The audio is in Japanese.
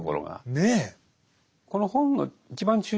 ねえ。